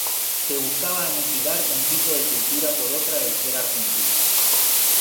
Se buscaba aniquilar un tipo de cultura por otra del ser argentino.